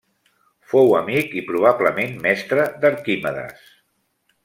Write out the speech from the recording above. Fou amic i probablement mestre d'Arquimedes.